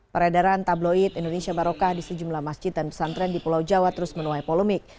peredaran tabloid indonesia barokah di sejumlah masjid dan pesantren di pulau jawa terus menuai polemik